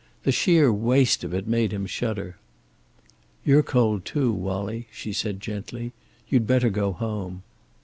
The sheer waste of it made him shudder. "You're cold, too, Wallie," she said gently. "You'd better go home."